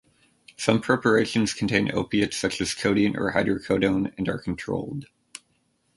Some preparations contain opiates such as codeine or hydrocodone and are controlled.